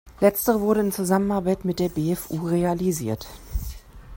Letztere wurde in Zusammenarbeit mit der bfu realisiert.